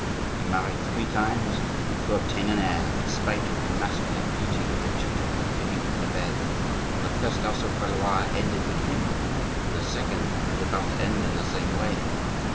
"He married three times to obtain an heir, in spite of the masculine beauty of the children of Philippe le Bel. The first house of Valois ended with him, and the second is about to end in the same way.